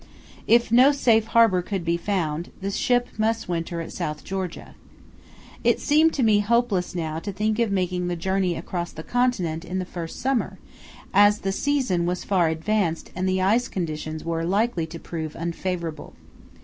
If no safe harbour could be found, the ship must winter at South Georgia. It seemed to me hopeless now to think of making the journey across the continent in the first summer, as the season was far advanced and the ice conditions were likely to prove unfavourable.